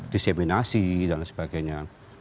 diseminasi dan sebagainya